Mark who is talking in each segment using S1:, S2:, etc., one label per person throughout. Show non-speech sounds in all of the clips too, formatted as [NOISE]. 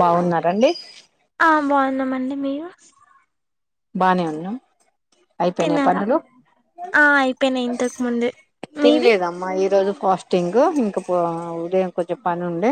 S1: బావున్నారా అండి?
S2: ఆ బావున్నామండి. మీరు?
S1: బానే ఉన్నాం అయిపోయినా
S2: తిన్నారా
S1: పనులు
S2: ఆ అయిపోయినాయి ఇంతకు ముందే మీవి
S1: తిన్లేదమ్మ ఈరోజు? ఫాస్టింగ్ ఇంకా బా ఉదయం కొంచెం పని ఉండే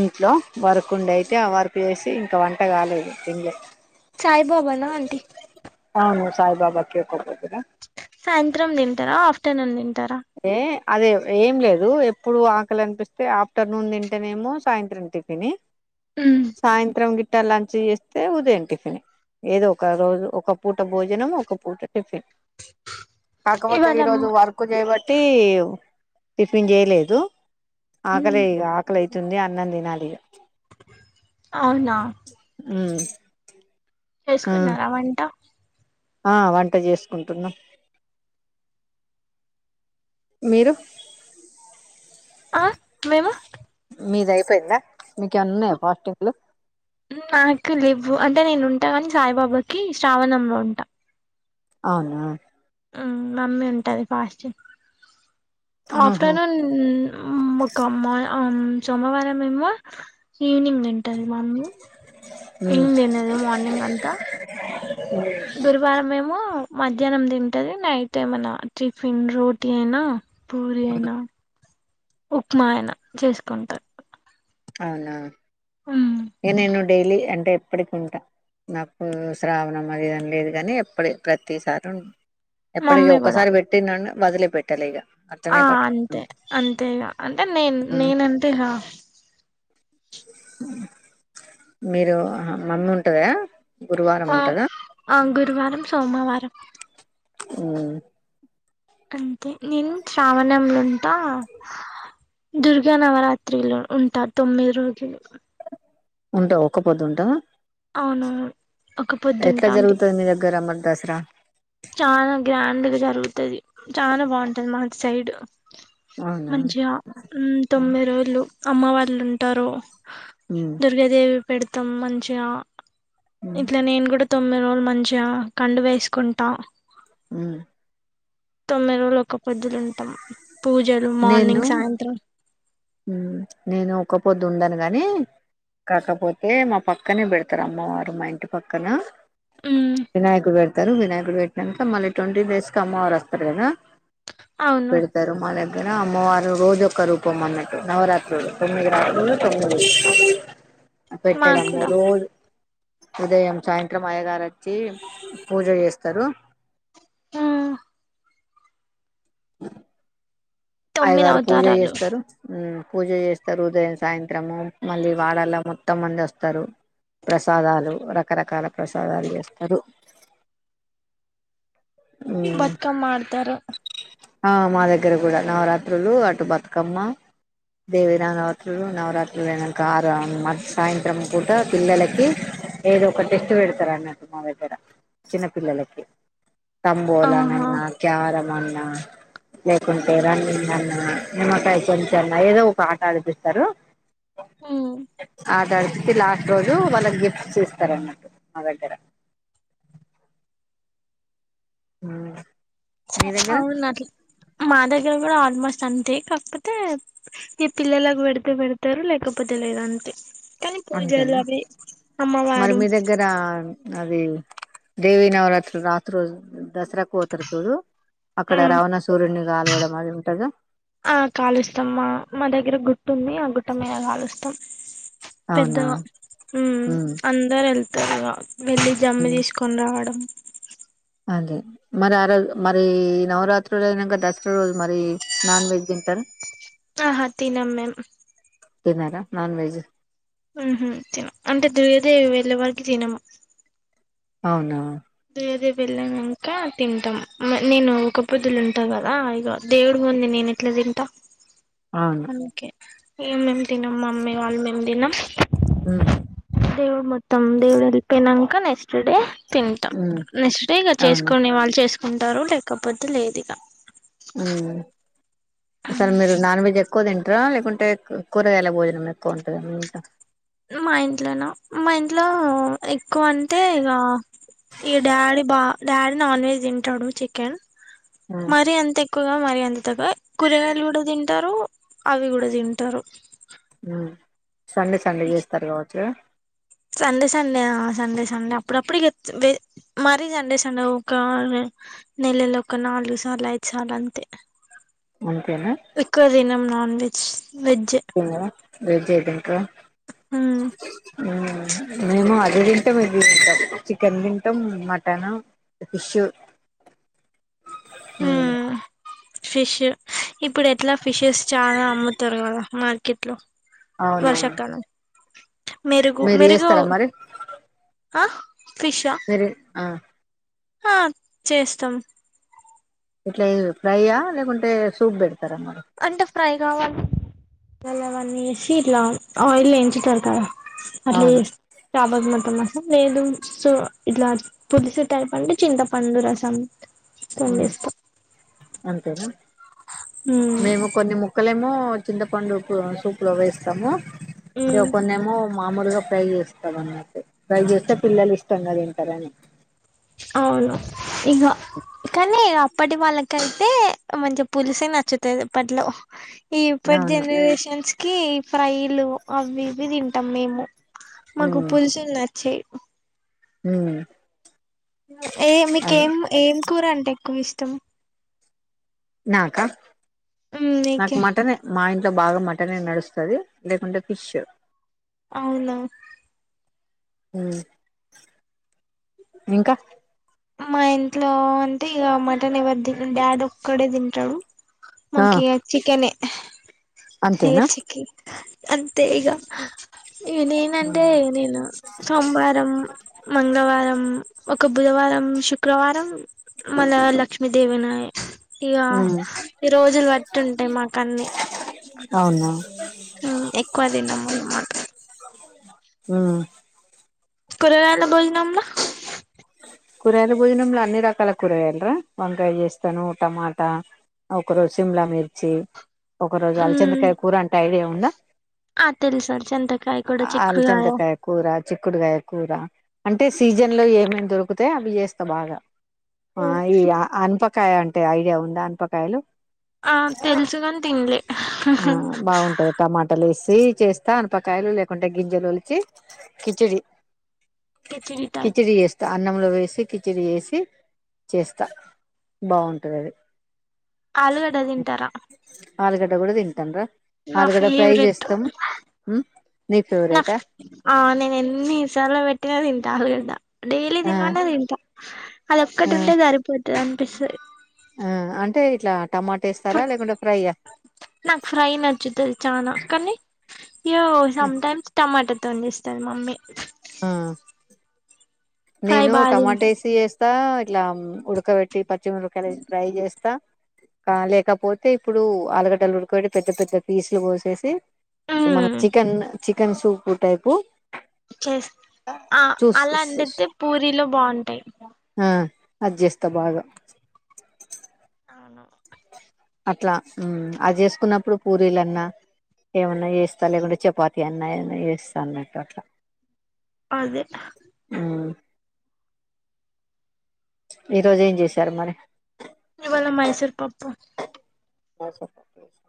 S1: ఇంట్లో వర్క్ వుండేయితే ఆ వర్క్ వేసి ఇంకా వంట కాలేదు తిన్లే
S2: సాయిబాబానా ఆంటీ
S1: అవును సాయిబాబా కే ఒకపొ
S2: సాయంత్రం తింటారా ఆఫ్టర్నూన్ తిం
S1: ఏ అదే ఎ ఏం లేదు ఎప్పుడు ఆకలి అనిపిస్తే ఆఫ్టర్నూన్ తింటనేమో సాయంత్రం టిఫిని
S2: మ్మ్.
S1: సాయంత్రం గిట్ట లంచ్ చేస్తే ఉదయం టిఫిని ఏదో ఒక రోజు ఒక పూట భోజనం, ఒక పూట టిఫిన్ కాకపోతే
S2: ఇవాళ
S1: ఈరోజు వర్క్ చేయబట్టి టిఫిన్ చేయలేదు. ఆకలి
S2: మ్మ్,
S1: ఇగ ఆకలి అయితుంది అన్నం తినాలిగ
S2: అవునా
S1: ఉమ్
S2: చేసుకున్నారా
S1: ఆ
S2: వంట?
S1: ఆ వంట చేసుకుంటున్నాం. మీరు?
S2: ఆ మేము
S1: మీది అయిపోయిందా మీకు ఏమన్న ఉన్నాయా ఫాస్టింగ్లు
S2: ఒ అంటే నేను ఉంటా కాని సాయిబాబాకి శ్రావణంలో ఉంటా
S1: అవునా
S2: ఉమ్ మమ్మీ ఉంటది ఫాస్టింగ్
S1: ఆహా
S2: ఆఫ్టర్నూన్ ఒక సోమవారం మేమో ఈవినింగ్ తింటది మమ్మీ ఏం
S1: ఉమ్
S2: తినదు మార్నింగ్ అంతా గురువారం ఏమో మధ్యాహ్నం తింటది నైట్ ఏమన్నా టిఫిన్లు టీ అయినా పూరి అయినా ఉప్మా అయినా చేసుకుంటాది
S1: అవునా ఇగ నేను డైలీ అంటే ఎప్పటికి ఉంటా నాకు శ్రావణం అది ఇదని లేదు కానీ ఎప్పటి ప్రతిసారి ఉంట ఎప్పటికి
S2: మమ్మీ కూడా
S1: ఒకసారి పెట్టినంన వదిలి పెట్టలే ఇగ
S2: ఆ
S1: అట్లనే
S2: అంతే
S1: పట్టుకున్నా
S2: అంతేగా అంటే నేను
S1: ఉమ్
S2: నేనంతేగా
S1: మీరు మమ్మీ ఉంటదా గురువారం
S2: ఆ
S1: ఉంటదా
S2: ఆ గురువారం సోమవారం
S1: ఉమ్
S2: అంతే నేను శ్రావణంల ఉంటా దుర్గా నవరాత్రిలు ఉంట తొమ్మిది రోజులు
S1: ఉంటవా ఒక్క పొద్దు ఉంటావా
S2: అవును ఒక
S1: ఎట్లా
S2: పొద్దుంటా
S1: జరుగుతది మీ దగ్గర అమ్మ దసరా
S2: చాల గ్రాండ్గా జరుగుతది చానా బావుంటది మా సైడ్
S1: అవునా
S2: మంచిగా ఉమ్ తొమ్మిది రోజులు అమ్మ వాళ్లు ఉంటారు
S1: ఉమ్
S2: దుర్గాదేవి పెడతాం మంచిగా
S1: ఉమ్
S2: ఇట్లా నేను కూడా తొ మ్మిది రోజులు మంచిగా కండువ ఏసుకుంటా
S1: ఉమ్
S2: తొమ్మిది రోజులు ఒక పొద్దులు ఉంటాం
S1: నేను నేను ఒక పొద్దు దుండను గాని కాకపోతే మా పక్కనే పెడతారు అమ్మవారు మా ఇంటి పక్కన
S2: మ్
S1: వినాయకుడు పెడతారు వినాయకుడు పెట్టినాక మళ్ళీ ట్వంటీ డేస్ కి అమ్మవారు వస్తారు కదా
S2: అవును
S1: పెడతారు మళ దగ్గర అమ్మవారు రోజొక్క రూపం అన్నట్ నవరాత్రులు తొమ్మిది రాత్రులు తొమ్మిది
S2: మాకు
S1: పెట్టడం
S2: కూడా
S1: ఉదయం సాయంత్రం అయగారుచ్చి పూజ చేస్తారు
S2: ఆ తొమ్మిది
S1: అయగారు పూజ
S2: అవతారాలు
S1: చేస్తారు మ్ పూజ చేస్తారు ఉదయం సాయంత్రము మళ్ళీ వాడలా మొత్తం మంది వస్తారు ప్రసాదాలు రకరకాల ప్రసాదాలు చేస్తారు మ్మ్
S2: బతుకమ్ మతారు
S1: మా దగ్గర కూడా నవరాత్రులు అటు బతుకమ్మ దేవి రాంగవత్రులు నవరాత్రులు వెనక ఆరు సాయంత్రం పూట పిల్లలకి ఏదో ఒక టెస్ట్ పెడతార అన్నట్టు మా దగ్గర చిన్న పిల్లలకి తంబోలాన
S2: ఆహా
S1: అన్నా క్యారం అన్నా లేకుంట ే రన్నింగ్ అన్న నిమ్మకాయ కొంచ అన్న ఏదో ఒక ఆట ఆడిపిస్తారు
S2: మ్
S1: అ తర్ లాస్ట్ రోజు వాళ్ళకి గిఫ్ట్ చేస్తారన్నమాట్టు మా దగ్గర అ
S2: అవునట్ల మా దగ్గర కూడా ఆల్మోస్ట్ అంతే కాకపోతే ఈ పిల్లలకు పెడితే పెడతారు లేకపోతే లేదంతే
S1: అంతేనా మరి మీ దగ్గర అవి దేవి నవరాత్రులు రాత్రుల్ దసరకు పోతరు చూడు అక్కడ
S2: మ్మ్
S1: రావణా సూర్యుని కాలువడం అది ఉంటద
S2: ఆ కాలుస్తాం మా దగ్గర గుట్ట ఉంది ఆ గుట్ట మీద కాలుస్తాం
S1: అవునా
S2: పెద్దగా మ్
S1: ఉమ్
S2: అందరు వెళ్తారుగా వెళ్లి జమ్మి తీసుకొని రావడం
S1: అది మరి ఆ రోజు మరి నవరాత్రులైనంక దసరా రోజు మరి నాన్ వెజ్ తింటార
S2: ఆహ తినమ్ మీమ్
S1: తినర నాన్ వెజ్
S2: మ్ హు తినం అంటే దేదే వెళ్ళే వరకు తినము
S1: అవునా
S2: దేదే వెల్లినంక తింటాం నేను ఒక్కపోద్దులు ఉంటా కదా ఇగ దేవుడు ంది నేను ఎట్లా తింట
S1: అవును
S2: అందుకే ఇగ మీము తినం మమ్మీ వాళ్ళు మీము తినం
S1: మ్
S2: దేవుడు మొత్తం దేవుడు వెళ్పోనంక నెక్స్ట్ డే తిం
S1: ఉమ్
S2: నెక్స్ట్ డే ఇగ
S1: అవును
S2: చేసుకునే వాళ్ళు చేసుకుంటారు లేకపోతే లేదు ఇగ
S1: ఉమ్ అసలు మీరు నాన్ వెజ్ ఎక్కువ తింటారా లేకుంటే కూరగాయల భోజనం ఎక్కువ ఉంటద మీ ఇంట్ల
S2: మా ఇంట్లన మా ఇంట్ల ఎక్కువ అంటే ఇగ ఈ డాడీ బా డాడీ నాన్ వెజ్ తింటాడు చికెన్ మరి అంత ఎక్కువ్ వగా మరి అంతగా కూరగాయలు కూడా తింటారు అవి కూడా తింటారు
S1: మ్ సండే సండే చేస్తారు కావచ్చుగా
S2: అప్పుడప్పుడిగ జ్ మరీ సండే సండే ద్ ఒక నెలలో ఒక నాలుగు సార్లు ఐద్ సార్లు అంతే
S1: అంతేనా
S2: ఎక్కువ తినం నాన్ వెజ్
S1: తినరా వేజ్ అయితే ఇంకా
S2: మ్
S1: మేము అది తింటాం ఇది తింటాం చికెన్ తింటాం మటన్ ఫిష్ మ్
S2: మ్మ్ ఫిష్ ఇప్పుడు ఎట్లా ఫిషెస్ చాలా అమ్ముతారు కదా మార్కెట్ లో వర్ష
S1: అవునవును
S2: కాలం మెరుగు
S1: మీరు
S2: మెరుగు
S1: చేస్తారా
S2: ఆ ఫిషా
S1: మీర్ ఆ
S2: ఆ చేస్తాము
S1: ఇట్లా ఫ్రై్యా లేకుంటే సూప్ పెడ్
S2: అంటే ఫ్రై కావాలి అల్ల అవన్నీ వేసి ఇట్లా ఆయిల్ వేయించుతారు కదా అట్లా
S1: అవును
S2: చెస్ చాపల్ మొత్తం మా సం లేదు సో ఇట్లా పులుసు టైప్ అంటే చింతపండు రసం తోని
S1: ఉ
S2: చేస్తాం
S1: అంతేనా
S2: మ్మ్
S1: మేము కొన్ని ముక్కలేమో కొ చింతపండు సూప్లో వేస్తాము ఇగ
S2: మ్మ్.
S1: కొన్నేమో మాములుగా ప్రై చేస్తాం అన్న ప్రై చేస్తే పిల్లలు ఇష్టంగా తింటరని
S2: అవును ఇగ కనీ ప్పటి వాళ్ళకైతే మంచిగా పులిసే నచ్చుతది అప్పట్లో ఈగిప్పటి
S1: అవును
S2: జనరేషన్స్ కి ఫ్రైలు అవ్వి ఇవ్వి తింటాం మేము మాకు పులుసుల్ నచ్చయ్
S1: ఉం
S2: ఏ మీకేం ఏం కూర అంటే ఎక్కువ ఇష్టం
S1: నాకా నాకు
S2: నీకే
S1: మటన్ మాయ ఇంట్లో బాగా మటనె నడుస్తది లేకుంటే ఫిష్
S2: అవునా
S1: ఇంకా
S2: మా ఇంట్లో అంటే ఇగ మటన్ ఎవరు ది డాడీ ఒక్కడే దింటడు
S1: ఆ
S2: మకిీగా చికెనె హె
S1: అంతేనా
S2: చికిీ అంతే ఈగ ఈ నేన అంటే నేను సొంవారం మంగళవారం ఒక బుధవారం శుక్రవారం మల్ల లక్ష్మిీ దేవనాయ ఇగ
S1: ఉమ్
S2: ఈ రోజులు బట్టి ఉంటాయి మాకన్ని
S1: అవునా
S2: అ ఎక్కువ తినమ్ అనమాట
S1: ఉం
S2: కురగాలా బోజనమ్ల
S1: కూరగాయల భోజనమ్ల అన్ని రకాల కూరగాయలురా వంకాయ చేస్తాను టమాటా ఒక రోజు సిమ్లా మిర్చి ఒక రోజు
S2: మ్మ్
S1: అలచంతకాయ కూర అంట ఐడియా ఉందా
S2: ఆ తెలుసా చింతకాయ కూడా చిక్కుడుకాయ
S1: అల్చంతకాయ కూర చిక్కుడుగాయ కూర అంటే సీజన్ లో ఏమేమి దొరుకుతె అవి చేస్తా బాగా ఆ ఈ అన్ప కాయ అంటే ఐడియా ఉందా అన్పకాయలు
S2: ఆ తెలుసు కాని తినలే
S1: ఆ బాగుంటది టమాటలెస్ చేస్తా అనపకాయలు లేకుంటే గింజలు ఒలిచి కిచిడి
S2: కేెచిడి టైప్
S1: కిచిడి చేస్తా అన్నంలో వేసి కిచిడిీ వేసి చేస్తా బాగుంటదది
S2: ఆలుగడ్డ తింటారా
S1: ఆలుగడ్డ కూడా తింటాన్రా
S2: నా
S1: ఆలుగడ్డ ఫ్రై
S2: ఫేవరెట్
S1: చేస్తాం ఉమ్ నీ
S2: నా
S1: ఫేవరెటా
S2: ఆ నేను ఎన్నిసార్ల పెట్టినా తింట ఆలుగడ్డ డైలీ
S1: ఆ
S2: తిినమన్న తింట అదోక్కటి
S1: ఆ
S2: ఉంటే సరిపోతది అనిపిస్తది
S1: ఆ అంటే ఇట్లా టమాటా ఏస్తారా లేకుంటే ఫ్రైయా
S2: నాకు ఫ్రై నచ్చుతది చానా కానీ ఇగ ఒ సమ్ టైమ్స్ టమాటా తొన్ చేస్తది మమ్మీ
S1: ఆ
S2: ఫ్రై
S1: నేను
S2: బాగా
S1: టమాటా
S2: తింటా
S1: ఎసి చేస్తా ఇట్లా ఉడకబెట్టి పచ్చిమిరకాయలు ఏసి ఫ్రై చేస్తా అ లేకపోతే ఇప్పుడు ఆలుగడ్డలు ఉడకపెట్టి పెద్ద పెద్ద పీసులు కోసేసి మన
S2: మ్మ్
S1: చికెన్ చికెన్ సూప్ టైపు
S2: చేస్ ఆ
S1: చూస్
S2: అలా అండితే పూరిలో బాగుంటాయి
S1: ఆ అది చేస్తా బాగా
S2: అవును
S1: అట్లా అది చేసుకున్నప్పుడు పూరీలన్నా ఏమన్నా చేస్తా లేకుంటే చపాతి అన్నా ఏదన్నా చేస్తా అన్నట్టు అట్లా
S2: అదే
S1: ఉమ్ ఈ రోజు ఏం చేసారు మరి
S2: ఇవాళ మైసూర్ పప్పు
S1: మైసూర్ పప్పు చెస్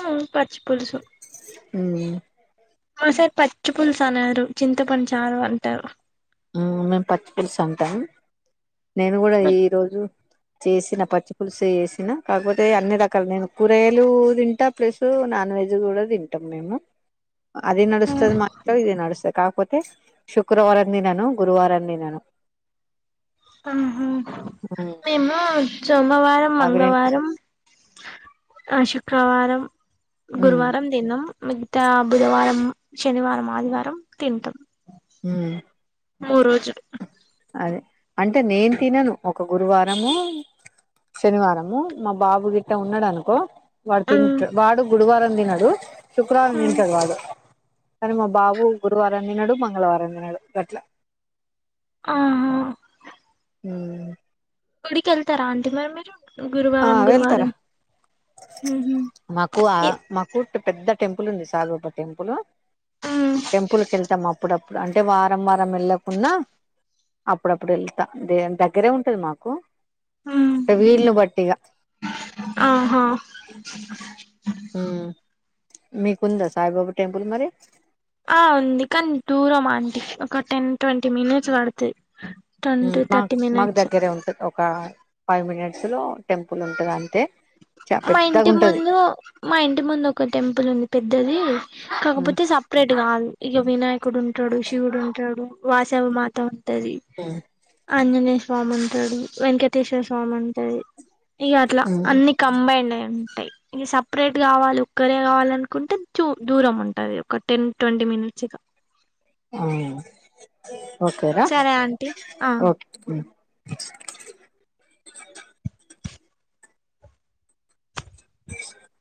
S2: ఉమ్ పచ్చిపులుసు
S1: ఉమ్
S2: మా సైడ్ పచ్చి పులుసు అనరు చింతపండు చారు అంటారు
S1: ఆ మేము పచ్చి పులుసు అంటాం నేను కూడా ఈరోజు చేసిన పచ్చి పులుసు చేసిన కాకపోతే అన్ని రకాలు నేను కూరగాయలు తింటా ప్లస్సు నా నాన్వెజ్ కూడా తింటాం మేము
S2: [INAUDIBLE]
S1: అదీ నడుస్తది మా ఇంట్లో ఇదీ నడుస్తది కాకపోతే శుక్రవారం తినను గురువారం తినను
S2: ఆహా
S1: మ్మ్
S2: మేము వచ్చాం సోమవారం
S1: అవి రెం
S2: మంగళవారం ఆ శుక్రవారం
S1: మ్మ్
S2: గురువారం తినం మిగతా బుధవారం శనివారం ఆదివారం తింటాం
S1: హ్మ్
S2: ఆమో రోజు
S1: అదే అంటే నేను తినను ఒక గురువారము శనివారము మా బాబు గిట్ట ఉన్నాడు అనుకో వాడు తింట్ వాడు గురువారం తినడు శుక్రవారం తింటడు వాడు కానీ మా బాబు గురువారం తినడు మంగళవారం తినడు గట్ల
S2: ఆహా
S1: హ్మ్
S2: గుడికెళ్తారా అంటీ మరి మీరు
S1: ఆ
S2: గురువారం
S1: వెళ్తారా
S2: గురువారం
S1: మాకు ఆ మాకు పెద్ద టెంపుల్ ఉంది సాయిబాబా టెంపుల్ టెంపుల్ కి వెళ్తాం అప్పుడపు ప్పుడు అంటే వారం వారం వెళ్ళకున్నా అప్పుడప్పుడు వెళ్తా దే దగ్గరే ఉంటది మాకు అంటే విల్ని బట్టి ఇగ
S2: ఆహా
S1: హ్మ్ మీకుందా సాయిబాబా టెంపుల్ మరి
S2: ఆ ఉంది కానీ దూరం ఆంటీ ఒక టెన్ ట్వంటీ మినిట్స్ పడ్తది
S1: మాకు మాకు దగ్గరే ఉంటుది ఒక ఫైవ్ మినిట్స్ లో టెంపుల్ ఉంటది అంతే చ
S2: [INAUDIBLE] మా
S1: పెద్దగా
S2: ఇంటి
S1: ఉంటది
S2: ముందు మా ఇంటి ముందు ఒక టెంపుల్ ఉంది పెద్దది కాకపోతే సపరేట్ కాదు ఇక వినాయకుడు ఉంటాడు శివుడు ఉంటాడు వాసవీ మాత టది ఆంజనేయ స్వామి ఉంటాడు వెంకటేశ్వర స్వామి ఉంటది ఇగట్ల అన్ని కంబైండ్ ఆ్యూన్ టై ఇక సపరేట్ కావాలి ఒక్కరే కావాలనుకుంటే దూరం ఉంటది ఒక టెన్ ట్వంటీ మినిట్స్ గా ఇక
S1: ఆ ఓకేరా
S2: సరే ఆంటీ ఆ
S1: ఓకే శబ్దంగా ఉంది శబ్దంగా ఉంది